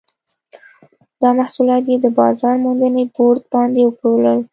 دا محصولات یې د بازار موندنې بورډ باندې وپلورل.